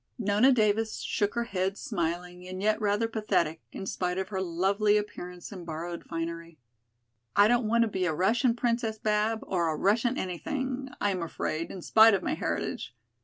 Nona Davis shook her head, smiling and yet rather pathetic, in spite of her lovely appearance in borrowed finery. "I don't want to be a Russian princess, Bab, or a Russian anything, I am afraid, in spite of my heritage.